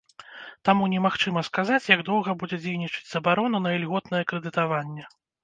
Таму немагчыма сказаць, як доўга будзе дзейнічаць забарона на ільготнае крэдытаванне.